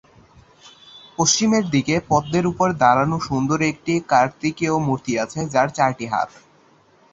পশ্চিমের দিকে পদ্মের উপর দাঁড়ানো সুন্দর একটি কার্তিকেয় মূর্তি আছে যার চারটি হাত।